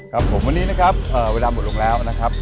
ครับผมวันนี้นะครับเวลาหมดลงแล้วนะครับ